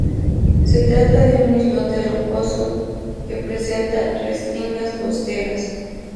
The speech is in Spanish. Se trata de un islote rocoso que presenta restingas costeras.